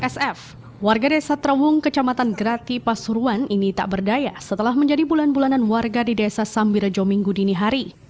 sf warga desa trawung kecamatan grati pasuruan ini tak berdaya setelah menjadi bulan bulanan warga di desa sambirejo minggu dini hari